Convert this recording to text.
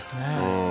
うん